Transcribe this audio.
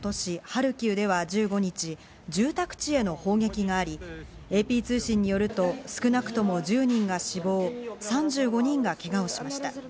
ハルキウでは１５日、住宅地への砲撃があり、ＡＰ通信によると、少なくとも１０人が死亡、３５人がけがをしました。